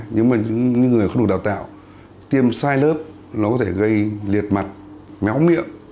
nhưng mà những người không được đào tạo tiêm sai lớp nó có thể gây liệt mặt méo miệng